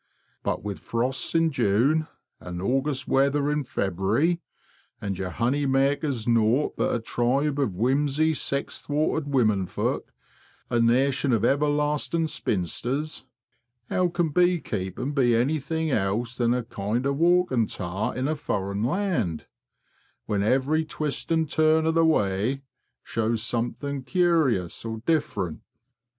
But with frosts in June, and August weather in February, and your honey makers naught but a tribe of whimsy, sex thwarted wimunin folk, a nation of everlasting spinsters—how AUTOCRAT OF THE BEE GARDEN 191 can bee keeping be anything else than a kind of walking tower in a furrin land, when every twist an' turn o' the way shows something eur'ous or different?